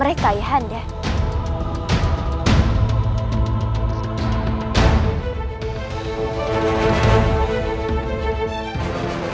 mereka sudah menjadi keluarga istana